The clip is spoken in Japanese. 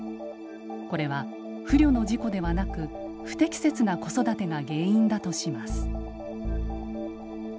これは不慮の事故ではなく不適切な子育てが原因だとします。